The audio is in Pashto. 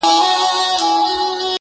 پښتنې سترګي دي و لیدې نرګسه,